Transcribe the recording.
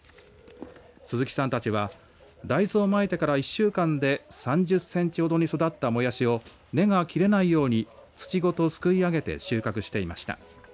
鈴木さんたちは大豆をまいてから１週間で３０センチほど育ったもやしを根が切れないように土ごとすくい上げて収穫していました。